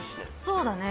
そうだね。